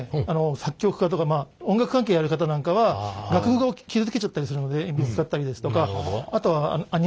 作曲家とか音楽関係やる方なんかは楽譜を傷つけちゃったりするので鉛筆使ったりですとか。